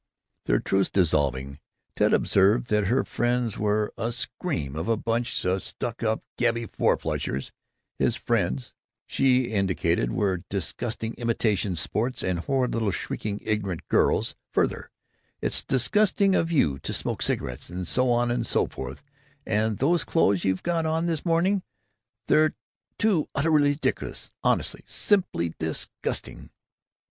Their truce dissolving, Ted observed that her friends were "a scream of a bunch stuck up gabby four flushers." His friends, she indicated, were "disgusting imitation sports, and horrid little shrieking ignorant girls." Further: "It's disgusting of you to smoke cigarettes, and so on and so forth, and those clothes you've got on this morning, they're too utterly ridiculous honestly, simply disgusting."